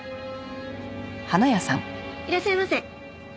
いらっしゃいませ。